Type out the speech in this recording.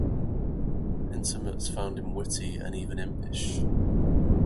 Intimates found him witty and even impish.